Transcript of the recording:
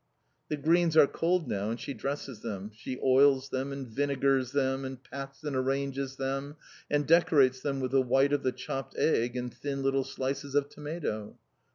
The greens are cold now, and she dresses them. She oils them, and vinegars them, and pats and arranges them, and decorates them with the white of the chopped egg and thin little slices of tomato.